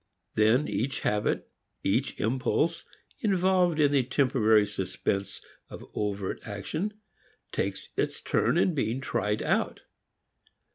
Then each habit, each impulse, involved in the temporary suspense of overt action takes its turn in being tried out.